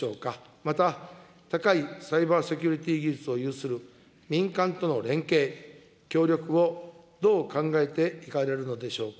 また高いサイバーセキュリティー技術を有する民間との連携、協力をどう考えていかれるのでしょうか。